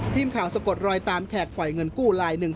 สะกดรอยตามแขกปล่อยเงินกู้ลายหนึ่ง